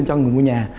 cho người mua nhà